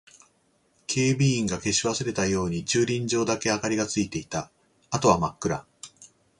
警備員が消し忘れたように駐輪場だけ明かりがついていた。あとは真っ暗。